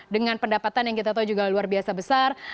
dengan pendapatan yang kita tahu juga luar biasa besar